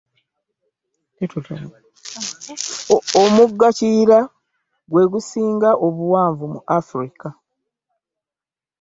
Omugga Kiyira gwe gusinga obuwanvu mu Africa.